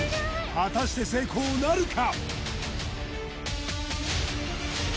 果たして成功なるか？